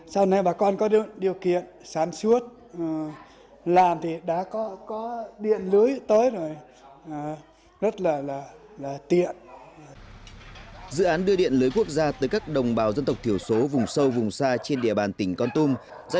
sau này bà con có điều kiện sản xuất làm thì đã có điện lưới tới rồi